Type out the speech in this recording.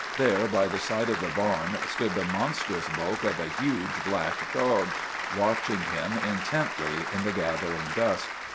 There by the side of the barn stood the monstrous bulk of a huge black dog, watching him intently in the gathering dusk.